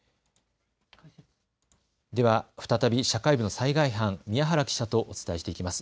では再び社会部の災害班、宮原記者とお伝えしていきます。